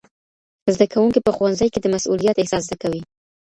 زدهکوونکي په ښوونځي کي د مسئولیت احساس زده کوي.